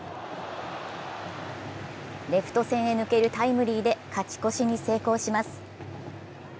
レフト線へ抜けるタイムリーで勝ち越しに成功します。